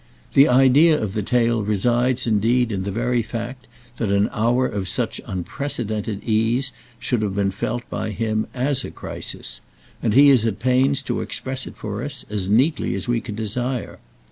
The idea of the tale resides indeed in the very fact that an hour of such unprecedented ease should have been felt by him as a crisis, and he is at pains to express it for us as neatly as we could desire.